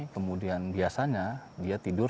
kemudian biasanya dia tidur